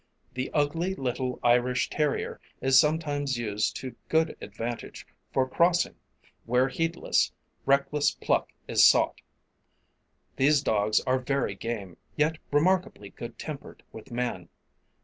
The ugly, little Irish terrier is sometimes used to good advantage for crossing, where heedless, reckless pluck is sought. These dogs are very game, yet remarkably good tempered with man.